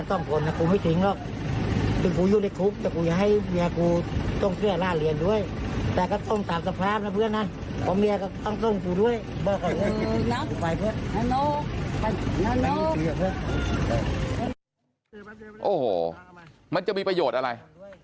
โอ้โหมันจะมีประโยชน์อะไร